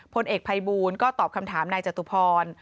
พลเอกภัยบูลก็ตอบคำถามนายจตุพร